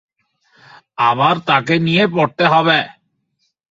আবার তাকে নিয়ে পড়তে হবে!